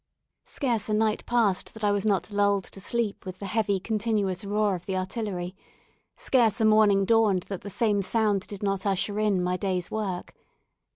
Scarce a night passed that I was not lulled to sleep with the heavy continuous roar of the artillery; scarce a morning dawned that the same sound did not usher in my day's work.